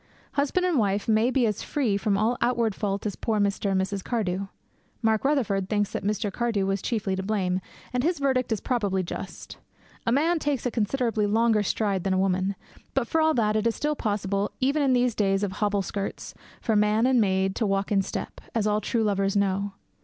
Husband and wife may be as free from all outward fault as poor Mr. and Mrs. Cardew. Mark Rutherford thinks that Mr. Cardew was chiefly to blame, and his verdict is probably just. A man takes a considerably longer stride than a woman; but, for all that, it is still possible, even in these days of hobble skirts, for man and maid to walk in step, as all true lovers know.